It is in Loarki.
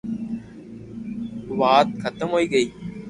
وات ختم ھوئي گئي